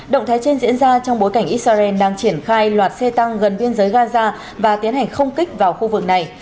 động thái trên diễn ra trong bối cảnh israel đang triển khai loạt xe tăng gần biên giới gaza và tiến hành không kích vào khu vực này